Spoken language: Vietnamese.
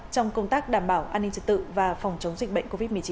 trong công tác đảm bảo an ninh trật tự và phòng chống dịch bệnh covid một mươi chín